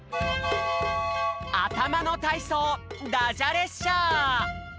あたまのたいそうダジャ列車！